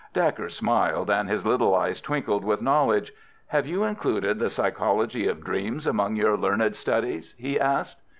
Dacre smiled, and his little eyes twinkled with knowledge. "Have you included the psychology of dreams among your learned studies?" he asked.